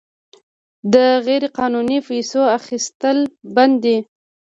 د غیرقانوني پیسو اخیستل بند دي؟